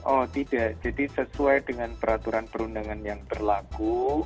oh tidak jadi sesuai dengan peraturan perundangan yang berlaku